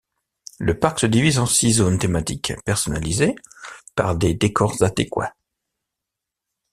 Le parc se divise en six zones thématiques personnalisées par des décors adéquats.